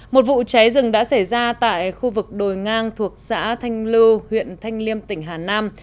một vụ cháy rừng đã xảy ra tại khu vực đồi ngang thuộc xã thanh lưu huyện thanh liêm tỉnh hà nam